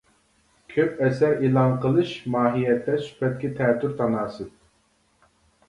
كۆپ ئەسەر ئېلان قىلىش ماھىيەتتە سۈپەتكە تەتۈر تاناسىپ.